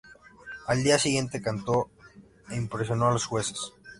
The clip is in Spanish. Al día siguiente cantó e impresionó a los jueces.